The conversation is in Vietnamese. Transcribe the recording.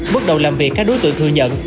bước đầu làm việc các đối tượng thừa nhận